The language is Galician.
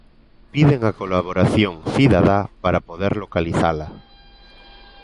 Piden a colaboración cidadá para poder localizala.